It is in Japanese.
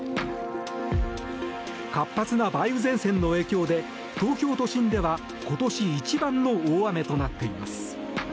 活発な梅雨前線の影響で東京都心では今年一番の大雨となっています。